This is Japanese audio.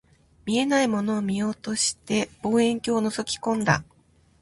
見えないものを見ようとして、望遠鏡を覗き込んだ